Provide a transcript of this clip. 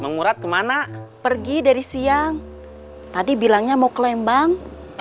mengurat kemana pergi dari siang tadi bilangnya mau ke lembang